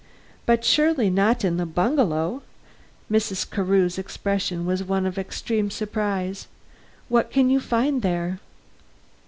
"But surely not in the bungalow!" Mrs. Carew's expression was one of extreme surprise. "What can you find there?"